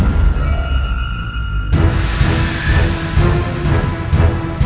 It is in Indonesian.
aku akan menang